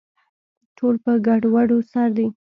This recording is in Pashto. ټول په ګډووډو سر دي